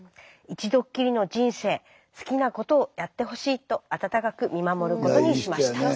一度っきりの人生好きなことをやってほしいと温かく見守ることにしました」。